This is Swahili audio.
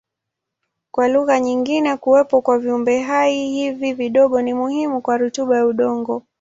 Kwa lugha nyingine kuwepo kwa viumbehai hivi vidogo ni muhimu kwa rutuba ya udongo.